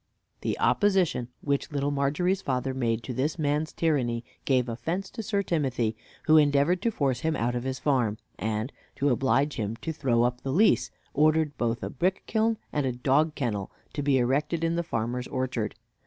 The opposition which Little Margery's father made to this man's tyranny gave offense to Sir Timothy, who endeavored to force him out of his farm; and, to oblige him to throw up the lease, ordered both a brick kiln and a dog kennel to be erected in the farmer's orchard.